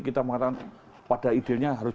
kita mengatakan pada idenya harus